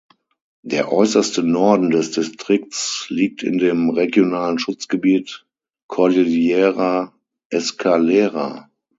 Der äußerste Norden des Distrikts liegt in dem regionalen Schutzgebiet Cordillera Escalera.